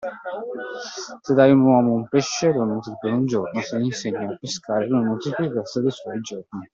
Se dai a un uomo un pesce lo nutri per un giorno, se gli insegni a pescare lo nutri per il resto dei suoi giorni.